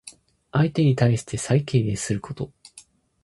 相手に対して最敬礼すること。